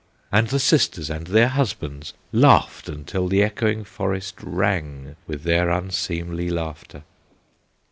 And the sisters and their husbands Laughed until the echoing forest Rang with their unseemly laughter.